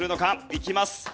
いきます。